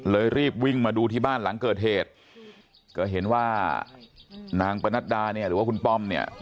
รีบวิ่งมาดูที่บ้านหลังเกิดเหตุก็เห็นว่านางปนัดดาเนี่ยหรือว่าคุณป้อมเนี่ย